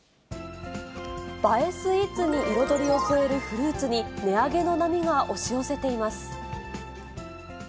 映えスイーツに彩りを添えるフルーツに、値上げの波が押し寄せています。